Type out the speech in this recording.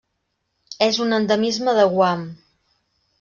És un endemisme de Guam.